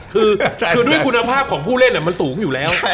คือด้วยคุณภาพของผู้เล่นมันสูงอยู่แล้ว